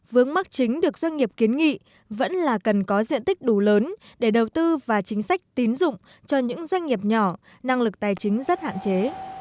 vướng mắt chính được doanh nghiệp kiến nghị vẫn là cần có diện tích đủ lớn để đầu tư và chính sách tín dụng cho những doanh nghiệp nhỏ năng lực tài chính rất hạn chế